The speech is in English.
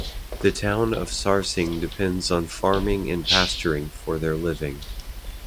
The town of Sarsing depends on farming and pasturing for their living.